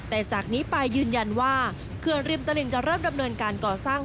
แต่จากนี้ไปยืนยันว่าเขื่อนริมตลิงจะเริ่มดำเนินการก่อสร้าง